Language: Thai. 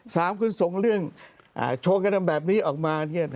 สามคนส่งเรื่องอ่าโชว์กันทำแบบนี้ออกมาอย่างเงี้ยนะฮะ